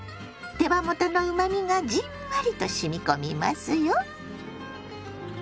手羽元のうまみがじんわりとしみ込みますよ。